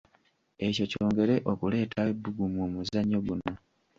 Ekyo kyongere okuleetawo ebbugumu mu muzannyo guno.